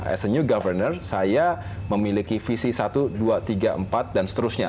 as a new governor saya memiliki visi satu dua tiga empat dan seterusnya